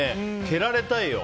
蹴られたいよ。